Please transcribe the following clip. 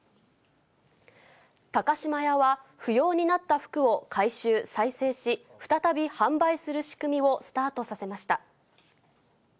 高島屋は、不要になった服を回収、再生し、再び販売する仕組みをスタートさせました。